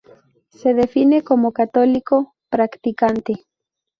Se define como católico practicante.